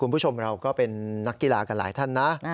คุณผู้ชมเราก็เป็นนักกีฬากันหลายท่านนะ